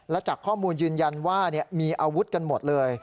และจากข้อมูลยืนยันว่ามีอาวุธกันหมดเลย